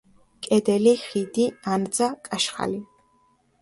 კედელი, ხიდი, ანძა, კაშხალი.